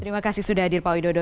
terima kasih sudah hadir pak widodo